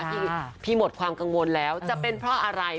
พี่หมดความกังวลแล้วจะเป็นเพราะอะไร